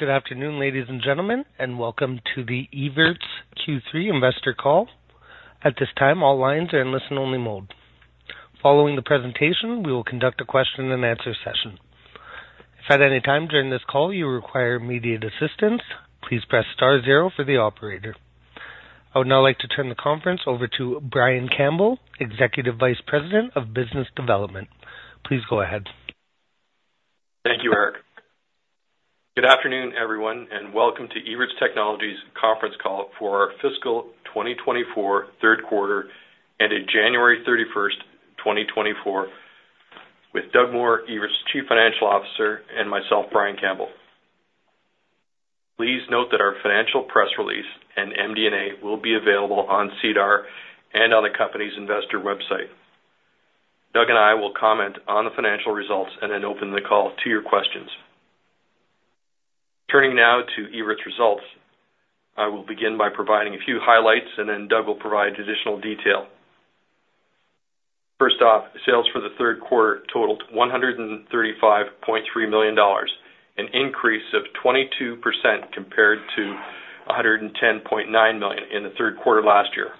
Good afternoon, ladies and gentlemen, and welcome to the Evertz Q3 Investor Call. At this time, all lines are in listen-only mode. Following the presentation, we will conduct a question-and-answer session. If at any time during this call you require immediate assistance, please press star zero for the operator. I would now like to turn the conference over to Brian Campbell, Executive Vice President of Business Development. Please go ahead. Thank you, Eric. Good afternoon, everyone, and welcome to Evertz Technologies' Conference Call for Fiscal 2024 Third Quarter and January 31st, 2024, with Doug Moore, Evertz's Chief Financial Officer, and myself, Brian Campbell. Please note that our financial press release and MD&A will be available on SEDAR and on the company's investor website. Doug and I will comment on the financial results and then open the call to your questions. Turning now to Evertz results, I will begin by providing a few highlights, and then Doug will provide additional detail. First off, sales for the third quarter totaled 135.3 million dollars, an increase of 22% compared to 110.9 million in the third quarter last year.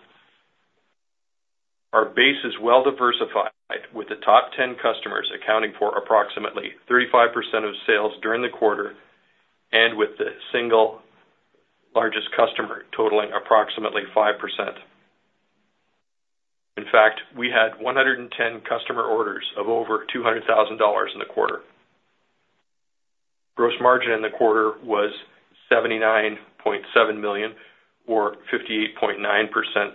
Our base is well diversified, with the top 10 customers accounting for approximately 35% of sales during the quarter and with the single largest customer totaling approximately 5%. In fact, we had 110 customer orders of over 200,000 dollars in the quarter. Gross margin in the quarter was 79.7 million, or 58.9%,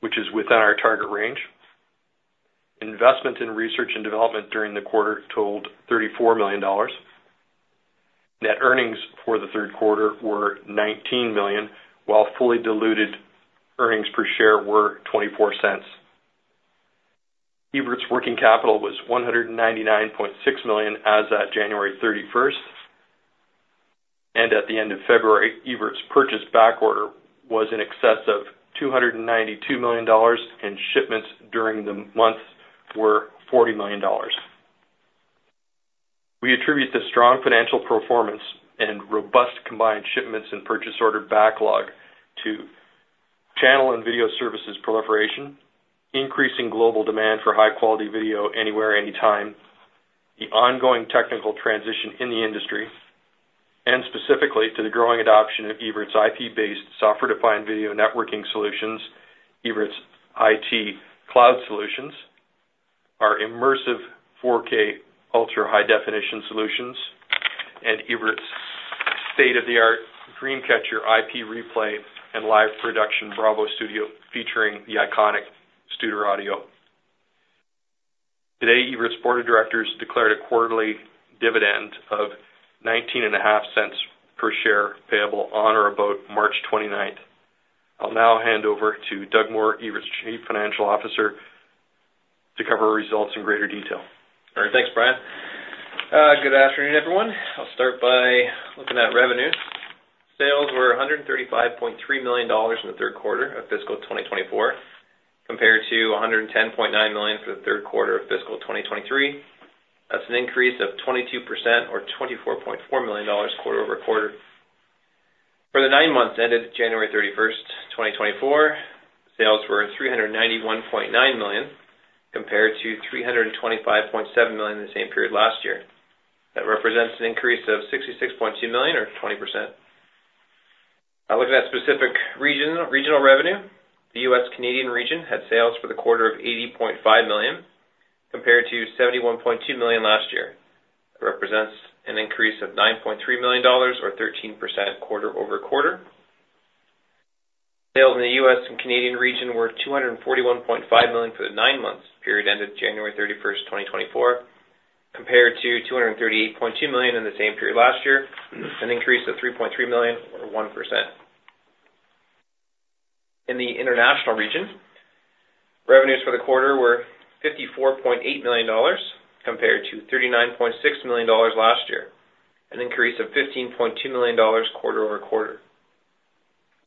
which is within our target range. Investment in research and development during the quarter totaled 34 million dollars. Net earnings for the third quarter were 19 million, while fully diluted earnings per share were 0.24. Evertz's working capital was 199.6 million as of January 31st, and at the end of February, Evertz's purchase backlog was in excess of 292 million dollars, and shipments during the month were 40 million dollars. We attribute the strong financial performance and robust combined shipments and purchase order backlog to channel and video services proliferation, increasing global demand for high-quality video anywhere, anytime, the ongoing technical transition in the industry, and specifically to the growing adoption of Evertz's IP-based software-defined video networking solutions, Evertz IT Cloud Solutions, our immersive 4K ultra-high-definition solutions, and Evertz's state-of-the-art DreamCatcher IP replay and live production BRAVO Studio featuring the iconic Studer audio. Today, Evertz's board of directors declared a quarterly dividend of 0.19 per share payable on or about March 29th. I'll now hand over to Doug Moore, Evertz's Chief Financial Officer, to cover results in greater detail. All right. Thanks, Brian. Good afternoon, everyone. I'll start by looking at revenue. Sales were 135.3 million dollars in the third quarter of fiscal 2024 compared to 110.9 million for the third quarter of fiscal 2023. That's an increase of 22%, or 24.4 million dollars, quarter-over-quarter. For the nine months ended January 31st, 2024, sales were 391.9 million compared to 325.7 million in the same period last year. That represents an increase of 66.2 million, or 20%. Looking at specific regional revenue, the U.S.-Canadian region had sales for the quarter of 80.5 million compared to 71.2 million last year. That represents an increase of 9.3 million dollars, or 13%, quarter-over-quarter. Sales in the U.S. and Canadian region were 241.5 million for the nine months period ended January 31st, 2024, compared to 238.2 million in the same period last year, an increase of 3.3 million, or 1%. In the international region, revenues for the quarter were 54.8 million dollars compared to 39.6 million dollars last year, an increase of 15.2 million dollars quarter-over-quarter.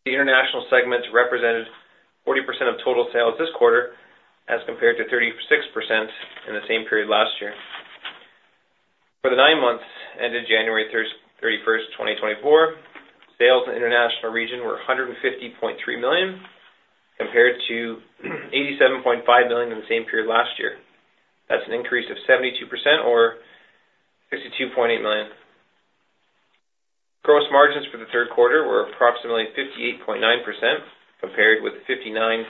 The international segment represented 40% of total sales this quarter as compared to 36% in the same period last year. For the nine months ended January 31st, 2024, sales in the international region were 150.3 million compared to 87.5 million in the same period last year. That's an increase of 72%, or 62.8 million. Gross margins for the third quarter were approximately 58.9% compared with 59.2%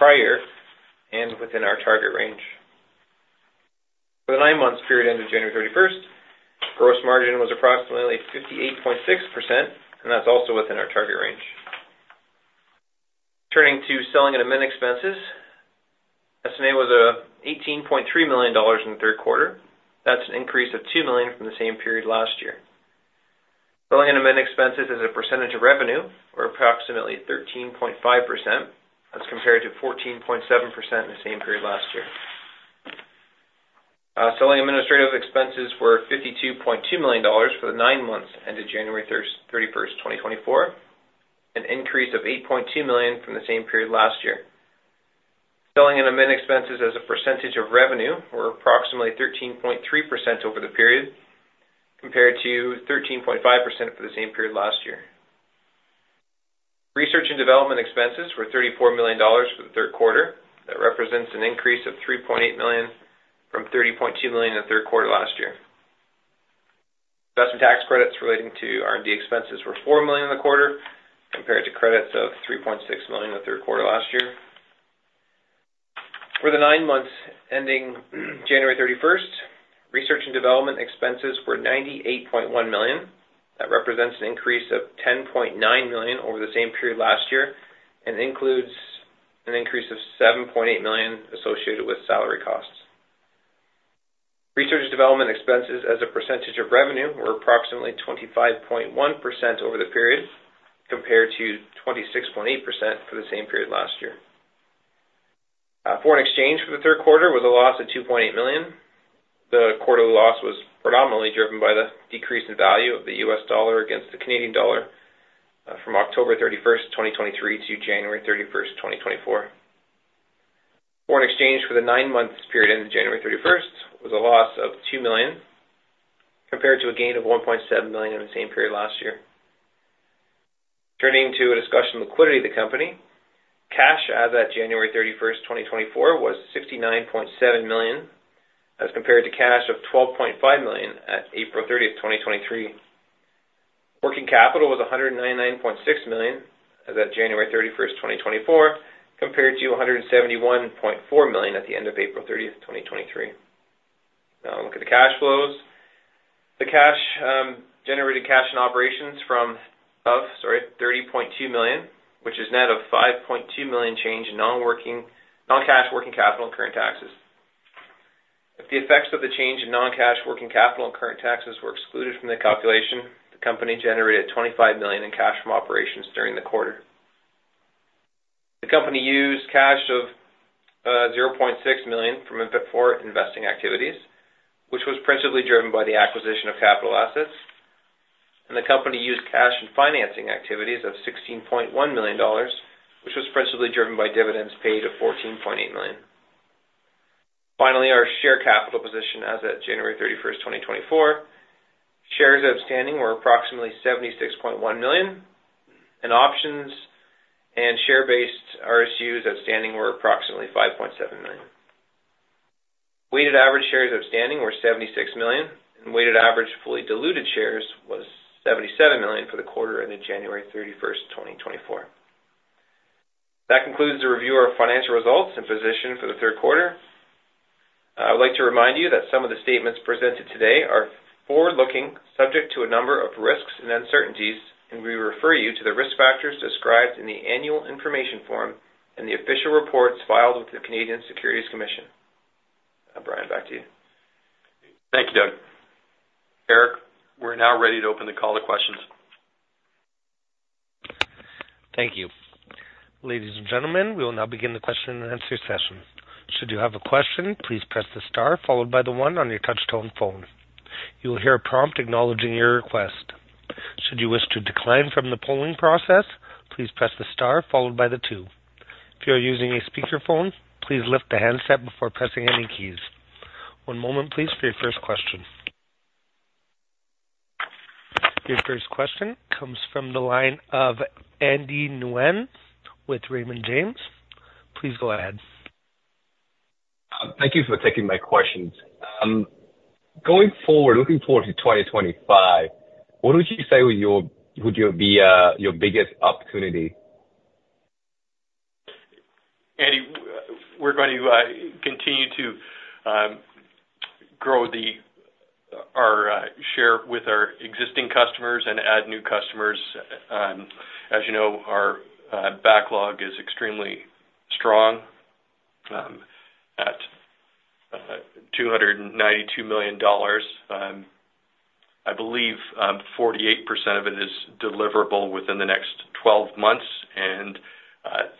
prior and within our target range. For the nine months period ended January 31st, gross margin was approximately 58.6%, and that's also within our target range. Turning to selling and admin expenses, S&A was 18.3 million dollars in the third quarter. That's an increase of 2 million from the same period last year. Selling and administrative expenses as a percentage of revenue were approximately 13.5% as compared to 14.7% in the same period last year. Selling and administrative expenses were 52.2 million dollars for the nine months ended January 31st, 2024, an increase of 8.2 million from the same period last year. Selling and administrative expenses as a percentage of revenue were approximately 13.3% over the period compared to 13.5% for the same period last year. Research and development expenses were 34 million dollars for the third quarter. That represents an increase of 3.8 million from 30.2 million in the third quarter last year. Investment tax credits relating to R&D expenses were 4 million in the quarter compared to credits of 3.6 million in the third quarter last year. For the nine months ending January 31st, research and development expenses were 98.1 million. That represents an increase of 10.9 million over the same period last year and includes an increase of 7.8 million associated with salary costs. Research and development expenses as a percentage of revenue were approximately 25.1% over the period compared to 26.8% for the same period last year. Foreign exchange for the third quarter was a loss of 2.8 million. The quarterly loss was predominantly driven by the decrease in value of the U.S. dollar against the Canadian dollar from October 31st, 2023, to January 31st, 2024. Foreign exchange for the nine months period ended January 31st was a loss of 2 million compared to a gain of 1.7 million in the same period last year. Turning to a discussion of liquidity of the company, cash as of January 31st, 2024, was 69.7 million as compared to cash of 12.5 million at April 30th, 2023. Working capital was 199.6 million as of January 31st, 2024, compared to 171.4 million at the end of April 30th, 2023. Now, look at the cash flows. The cash generated from operations of 30.2 million, which is net of 5.2 million change in non-cash working capital and current taxes. If the effects of the change in non-cash working capital and current taxes were excluded from the calculation, the company generated 25 million in cash from operations during the quarter. The company used cash of 0.6 million for investing activities, which was principally driven by the acquisition of capital assets, and the company used cash in financing activities of 16.1 million dollars, which was principally driven by dividends paid of 14.8 million. Finally, our share capital position as of January 31st, 2024. Shares outstanding were approximately 76.1 million, and options and share-based RSUs outstanding were approximately 5.7 million. Weighted average shares outstanding were 76 million, and weighted average fully diluted shares was 77 million for the quarter ended January 31st, 2024. That concludes the review of our financial results and position for the third quarter. I would like to remind you that some of the statements presented today are forward-looking, subject to a number of risks and uncertainties, and we refer you to the risk factors described in the annual information form and the official reports filed with the Canadian Securities Commission. Brian, back to you. Thank you, Doug. Eric, we're now ready to open the call to questions. Thank you. Ladies and gentlemen, we will now begin the question-and-answer session. Should you have a question, please press the star followed by the one on your touch-tone phone. You will hear a prompt acknowledging your request. Should you wish to decline from the polling process, please press the star followed by the two. If you are using a speakerphone, please lift the handset before pressing any keys. One moment, please, for your first question. Your first question comes from the line of Andy Nguyen with Raymond James. Please go ahead. Thank you for taking my questions. Going forward, looking forward to 2025, what would you say would be your biggest opportunity? Andy, we're going to continue to grow our share with our existing customers and add new customers. As you know, our backlog is extremely strong at CAD 292 million. I believe 48% of it is deliverable within the next 12 months and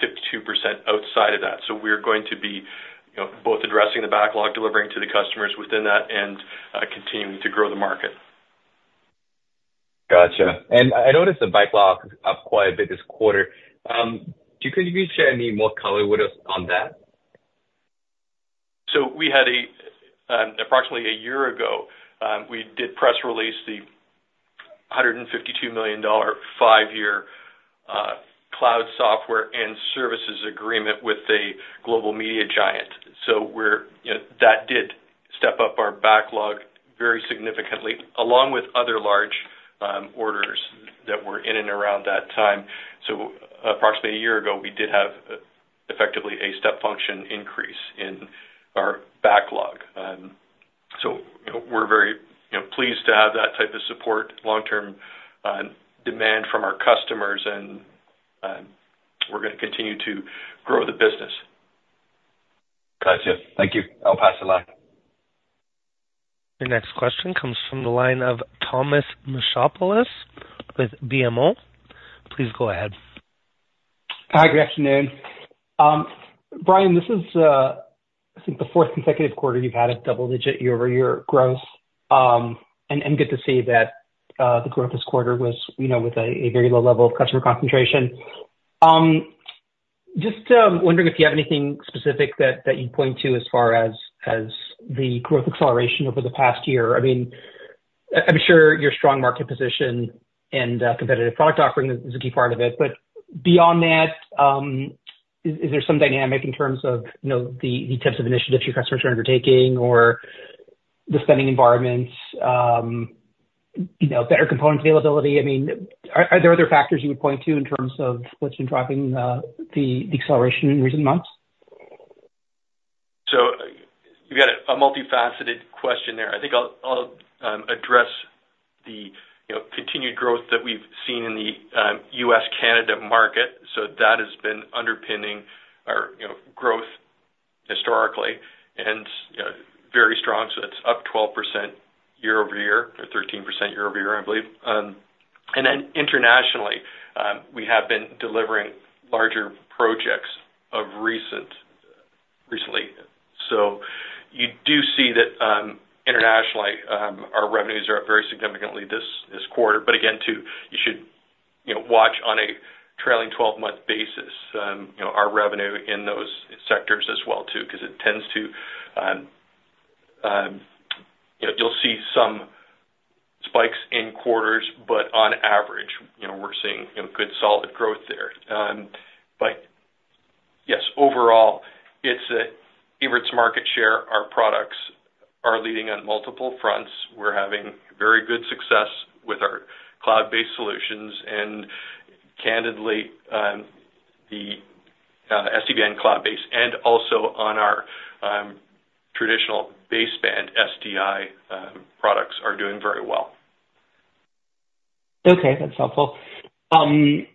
52% outside of that. So we're going to be both addressing the backlog, delivering to the customers within that, and continuing to grow the market. Gotcha. I noticed the backlog up quite a bit this quarter. Could you share any more color with us on that? Approximately a year ago, we did press release the 152 million dollar 5-year cloud software and services agreement with a global media giant. So that did step up our backlog very significantly, along with other large orders that were in and around that time. So approximately a year ago, we did have effectively a step function increase in our backlog. So we're very pleased to have that type of support, long-term demand from our customers, and we're going to continue to grow the business. Gotcha. Thank you. I'll pass it along. Your next question comes from the line of Thanos Moschopoulos with BMO. Please go ahead. Hi. Good afternoon. Brian, this is, I think, the fourth consecutive quarter you've had of double-digit year-over-year growth, and good to see that the growth this quarter was with a very low level of customer concentration. Just wondering if you have anything specific that you'd point to as far as the growth acceleration over the past year? I mean, I'm sure your strong market position and competitive product offering is a key part of it, but beyond that, is there some dynamic in terms of the types of initiatives your customers are undertaking or the spending environments, better component availability? I mean, are there other factors you would point to in terms of what's been driving the acceleration in recent months? So you've got a multifaceted question there. I think I'll address the continued growth that we've seen in the U.S.-Canada market. So that has been underpinning our growth historically and very strong. So that's up 12% year-over-year or 13% year-over-year, I believe. And then internationally, we have been delivering larger projects recently. So you do see that internationally, our revenues are up very significantly this quarter. But again, too, you should watch on a trailing 12-month basis our revenue in those sectors as well too because it tends to you'll see some spikes in quarters, but on average, we're seeing good, solid growth there. But yes, overall, it's that Evertz market share, our products are leading on multiple fronts. We're having very good success with our cloud-based solutions. And candidly, the SDVN cloud-based and also on our traditional baseband SDI products are doing very well. Okay. That's helpful. And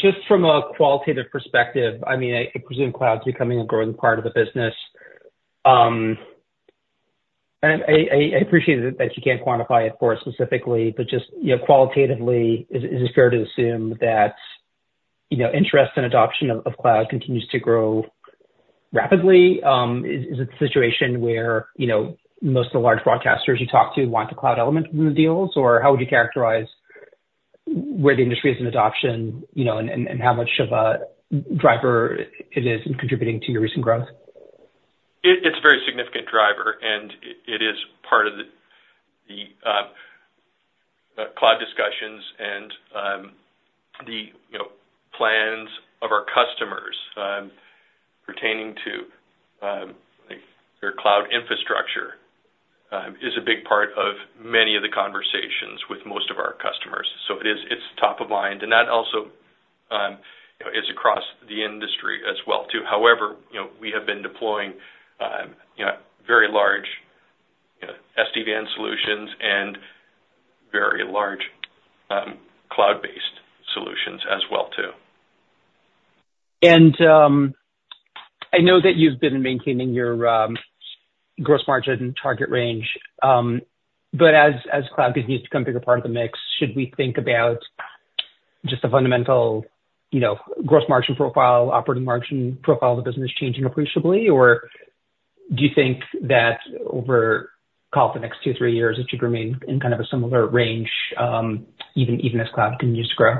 just from a qualitative perspective, I mean, I presume cloud's becoming a growing part of the business. And I appreciate that you can't quantify it for us specifically, but just qualitatively, is it fair to assume that interest in adoption of cloud continues to grow rapidly? Is it the situation where most of the large broadcasters you talk to want the cloud element in the deals, or how would you characterize where the industry is in adoption and how much of a driver it is in contributing to your recent growth? It's a very significant driver, and it is part of the cloud discussions and the plans of our customers pertaining to their cloud infrastructure, is a big part of many of the conversations with most of our customers. So it's top of mind. And that also is across the industry as well too. However, we have been deploying very large SDVN solutions and very large cloud-based solutions as well too. I know that you've been maintaining your gross margin target range, but as cloud continues to become a bigger part of the mix, should we think about just the fundamental gross margin profile, operating margin profile of the business changing appreciably, or do you think that over, call it, the next two-three years, it should remain in kind of a similar range even as cloud continues to grow?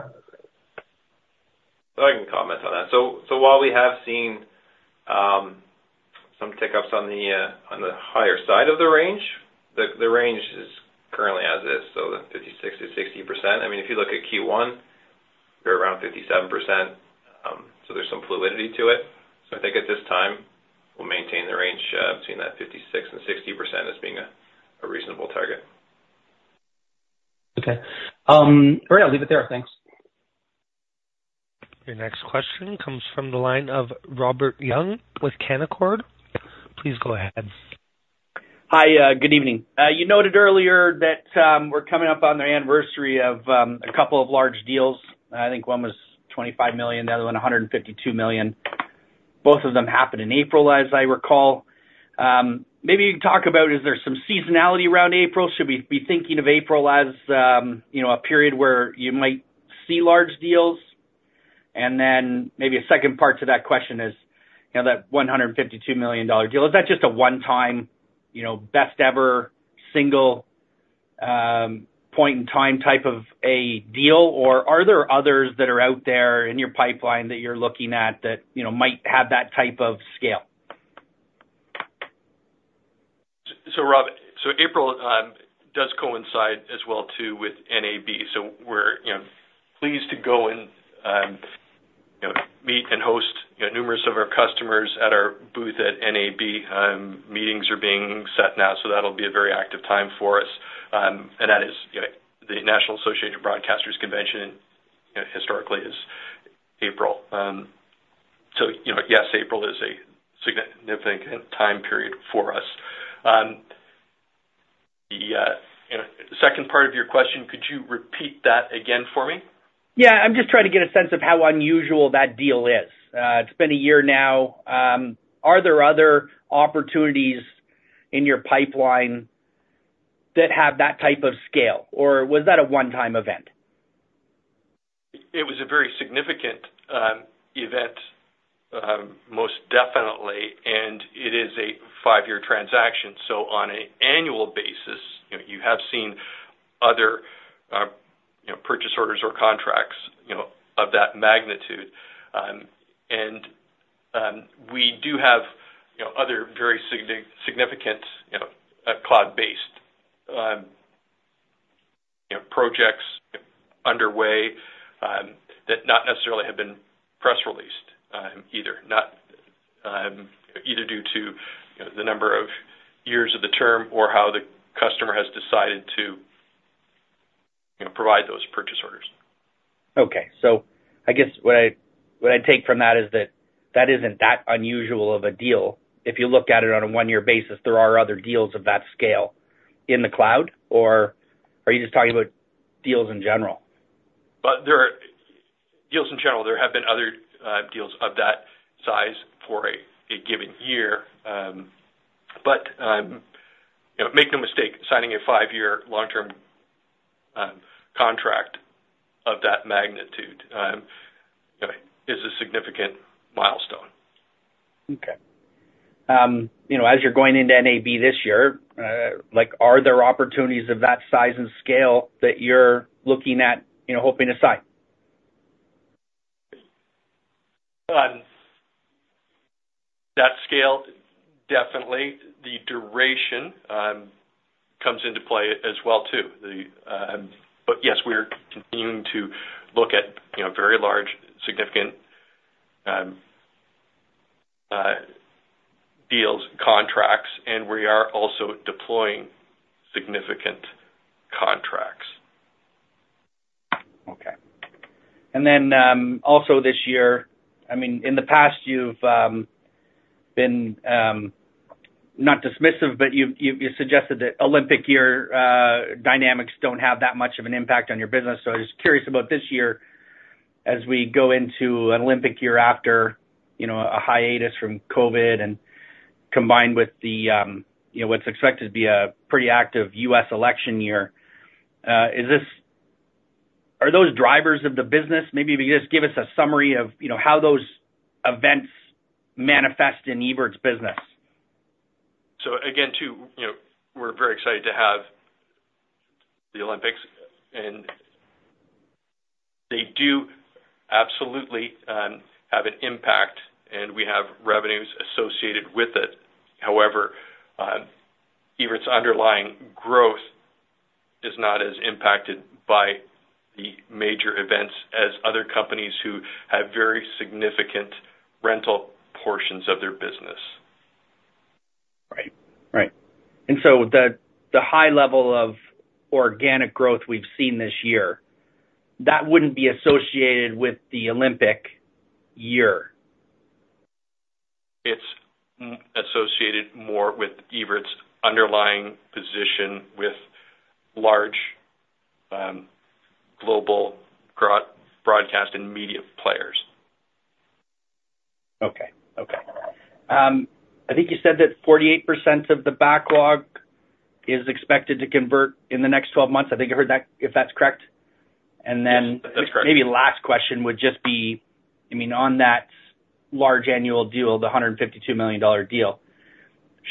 I can comment on that. So while we have seen some tickups on the higher side of the range, the range is currently as is, so the 56%-60%. I mean, if you look at Q1, we're around 57%. So there's some fluidity to it. So I think at this time, we'll maintain the range between that 56%-60% as being a reasonable target. Okay. All right. I'll leave it there. Thanks. Your next question comes from the line of Robert Young with Canaccord. Please go ahead. Hi. Good evening. You noted earlier that we're coming up on the anniversary of a couple of large deals. I think one was $25 million, the other one $152 million. Both of them happened in April, as I recall. Maybe you can talk about, is there some seasonality around April? Should we be thinking of April as a period where you might see large deals? And then maybe a second part to that question is that $152 million deal, is that just a one-time, best-ever single point in time type of a deal, or are there others that are out there in your pipeline that you're looking at that might have that type of scale? So April does coincide as well too with NAB. So we're pleased to go and meet and host numerous of our customers at our booth at NAB. Meetings are being set now, so that'll be a very active time for us. And that is the National Association of Broadcasters Convention, and historically, it's April. So yes, April is a significant time period for us. The second part of your question, could you repeat that again for me? Yeah. I'm just trying to get a sense of how unusual that deal is. It's been a year now. Are there other opportunities in your pipeline that have that type of scale, or was that a one-time event? It was a very significant event, most definitely, and it is a five-year transaction. So on an annual basis, you have seen other purchase orders or contracts of that magnitude. And we do have other very significant cloud-based projects underway that not necessarily have been press-released either, either due to the number of years of the term or how the customer has decided to provide those purchase orders. Okay. So I guess what I'd take from that is that that isn't that unusual of a deal. If you look at it on a one-year basis, there are other deals of that scale in the cloud, or are you just talking about deals in general? Deals in general, there have been other deals of that size for a given year. But make no mistake, signing a five-year long-term contract of that magnitude is a significant milestone. Okay. As you're going into NAB this year, are there opportunities of that size and scale that you're looking at, hoping to sign? That scale, definitely. The duration comes into play as well too. But yes, we are continuing to look at very large, significant deals, contracts, and we are also deploying significant contracts. Okay. And then also this year, I mean, in the past, you've been not dismissive, but you suggested that Olympic year dynamics don't have that much of an impact on your business. So I was curious about this year as we go into an Olympic year after a hiatus from COVID and combined with what's expected to be a pretty active U.S. election year. Are those drivers of the business? Maybe if you could just give us a summary of how those events manifest in Evertz's business. So again, too, we're very excited to have the Olympics, and they do absolutely have an impact, and we have revenues associated with it. However, Evertz's underlying growth is not as impacted by the major events as other companies who have very significant rental portions of their business. Right. Right. And so the high level of organic growth we've seen this year, that wouldn't be associated with the Olympic year? It's associated more with Evertz's underlying position with large global broadcast and media players. Okay. Okay. I think you said that 48% of the backlog is expected to convert in the next 12 months. I think I heard that, if that's correct. And then maybe last question would just be, I mean, on that large annual deal, the 152 million dollar deal,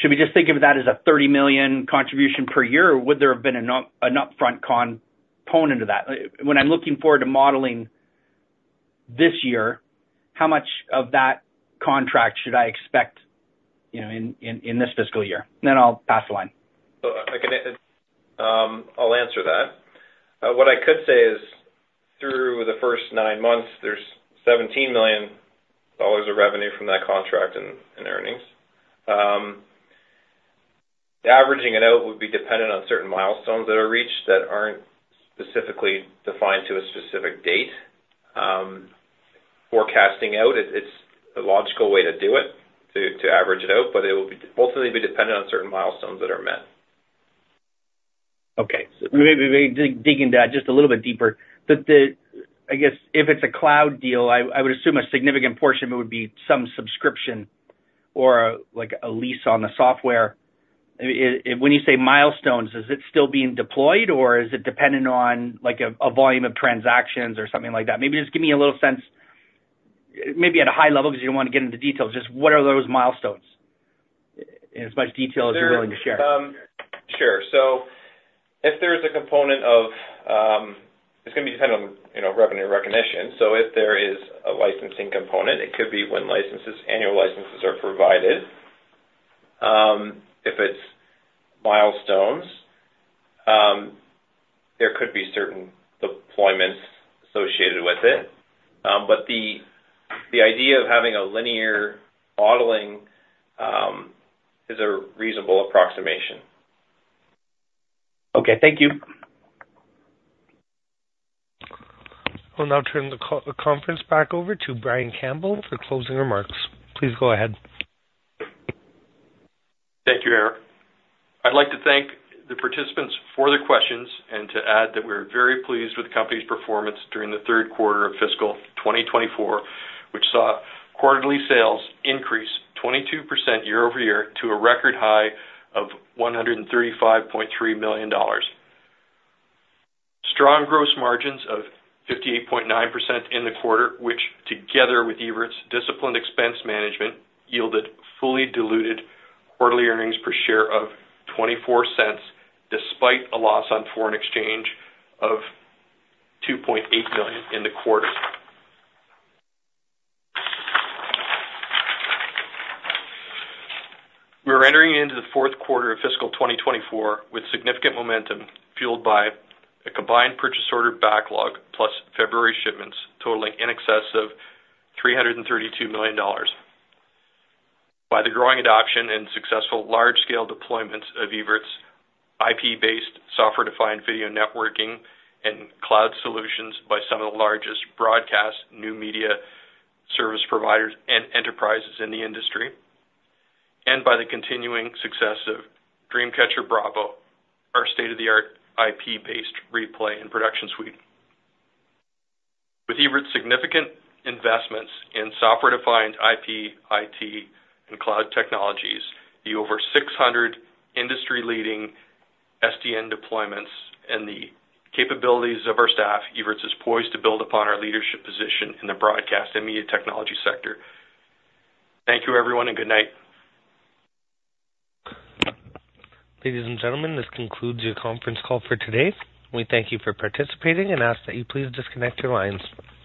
should we just think of that as a 30 million contribution per year, or would there have been an upfront component to that? When I'm looking forward to modeling this year, how much of that contract should I expect in this fiscal year? And then I'll pass the line. I'll answer that. What I could say is through the first nine months, there's 17 million dollars of revenue from that contract and earnings. Averaging it out would be dependent on certain milestones that are reached that aren't specifically defined to a specific date. Forecasting out, it's a logical way to do it, to average it out, but it will ultimately be dependent on certain milestones that are met. Okay. Maybe digging that just a little bit deeper. I guess if it's a cloud deal, I would assume a significant portion would be some subscription or a lease on the software. When you say milestones, is it still being deployed, or is it dependent on a volume of transactions or something like that? Maybe just give me a little sense, maybe at a high level because you don't want to get into details, just what are those milestones in as much detail as you're willing to share? Sure. So if there's a component of it's going to be dependent on revenue recognition. So if there is a licensing component, it could be when annual licenses are provided. If it's milestones, there could be certain deployments associated with it. But the idea of having a linear modeling is a reasonable approximation. Okay. Thank you. I'll now turn the conference back over to Brian Campbell for closing remarks. Please go ahead. Thank you, Eric. I'd like to thank the participants for their questions and to add that we're very pleased with the company's performance during the third quarter of fiscal 2024, which saw quarterly sales increase 22% year-over-year to a record high of 135.3 million dollars. Strong gross margins of 58.9% in the quarter, which together with Evertz's disciplined expense management yielded fully diluted quarterly earnings per share of 0.24 despite a loss on foreign exchange of 2.8 million in the quarter. We're entering into the fourth quarter of fiscal 2024 with significant momentum fueled by a combined purchase order backlog plus February shipments totaling in excess of 332 million dollars. By the growing adoption and successful large-scale deployments of Evertz's IP-based software-defined video networking and cloud solutions by some of the largest broadcast, new media service providers, and enterprises in the industry, and by the continuing success of DreamCatcher BRAVO, our state-of-the-art IP-based replay and production suite. With Evertz's significant investments in software-defined IP, IT, and cloud technologies, the over 600 industry-leading SDN deployments and the capabilities of our staff, Evertz is poised to build upon our leadership position in the broadcast and media technology sector. Thank you, everyone, and good night. Ladies and gentlemen, this concludes your conference call for today. We thank you for participating and ask that you please disconnect your lines.